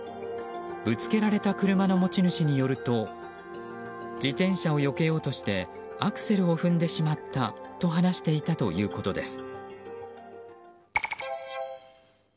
ぶつけられた車の持ち主によると自転車をよけようとしてアクセルを踏んでしまったと話していたということです。